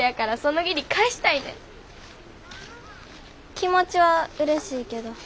気持ちはうれしいけど。